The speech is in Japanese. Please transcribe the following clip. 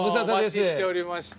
お待ちしておりました。